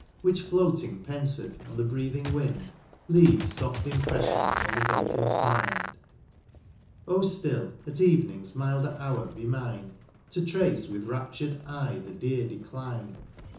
Which floating penflve, on the breathing wind. Leave foft impreflions on the vacant mind, E 2 O ftill 32 MOUNT PLEASANT. O ftill, at evening's milder hour, be mine, To trace with raptur'd eye the dear decline